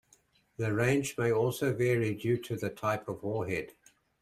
The range may also vary due to the type of warhead.